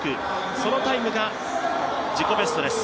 そのタイムが、自己ベストです。